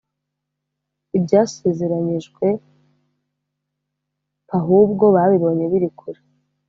ibyasezeranyijwe p Ahubwo babibonye biri kure